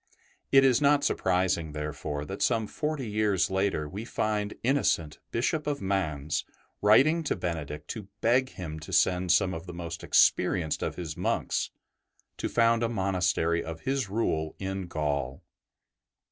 It is not surprising, therefore, that some forty years later we find Innocent, Bishop of Mans, writing to Benedict to beg him to send some of the most experienced of his monks to found a monastery of his Rule in Gaul.